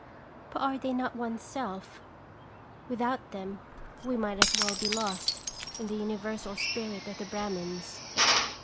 But are they not one's self ! With out them we might as well be lost in the Universal Spirit of the Brahmins.